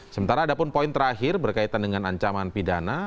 sementara ada pun poin terakhir berkaitan dengan ancaman pidana